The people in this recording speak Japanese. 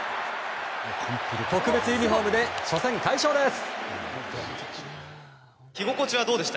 特別ユニホームで初戦、快勝です。